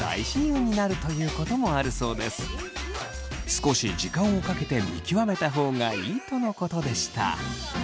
少し時間をかけて見極めた方がいいとのことでした。